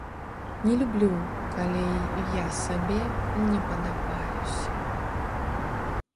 Не люблю, калі я сабе не падабаюся.